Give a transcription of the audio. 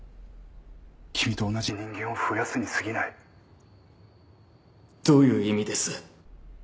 「君と同じ人間を増やすにすぎない」どういう意味です？